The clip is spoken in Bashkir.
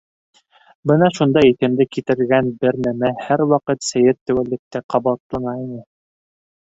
Бына шунда иҫемде китәргән бер нәмә һәр ваҡыт сәйер теүәллектә ҡабатлана ине.